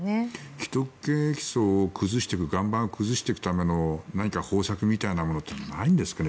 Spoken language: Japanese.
既得権益層を崩していく岩盤を崩していく何か方策みたいなものってないんですかね？